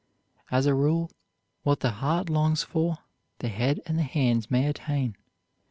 As a rule, what the heart longs for the head and the hands may attain.